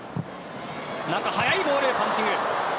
速いボール、パンチング。